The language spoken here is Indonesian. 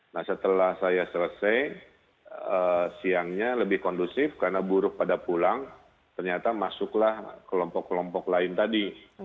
nah setelah saya selesai siangnya lebih kondusif karena buruh pada pulang ternyata masuklah kelompok kelompok lain tadi